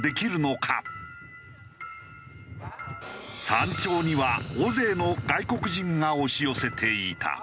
山頂には大勢の外国人が押し寄せていた。